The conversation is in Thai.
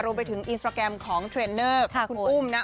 รวมไปถึงอินสตราแกรมของเทรนเนอร์ของคุณอุ้มนะ